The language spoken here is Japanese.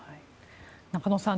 中野さん